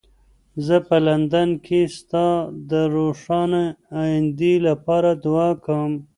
زه په لندن کې ستا د روښانه ایندې لپاره دعا کوم.